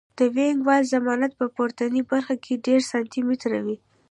د وینګ وال ضخامت په پورتنۍ برخه کې دېرش سانتي متره وي